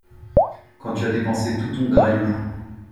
Quand tu as dépensé tout ton graillou.